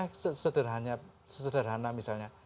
katakanlah sesederhana misalnya